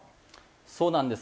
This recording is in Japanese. そうなんです。